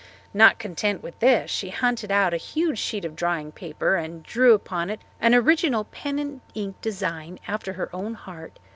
Not content with this she hunted out a huge sheet of drawing paper and drew upon it an original pen and ink design after her own heart.